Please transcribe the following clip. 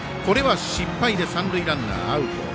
これは失敗で三塁ランナーアウト。